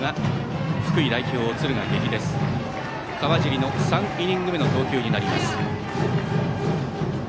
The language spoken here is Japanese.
川尻の３イニング目の投球です。